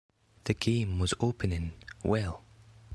The game was opening well.